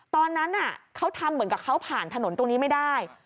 ตอนนั้นเขาทำเหมือนกับเขาผ่านถนนตรงนี้ไม่ได้